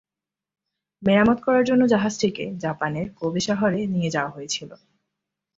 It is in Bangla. মেরামত করার জন্য জাহাজটিকে জাপানের কোবে শহরে নিয়ে যাওয়া হয়ে ছিল।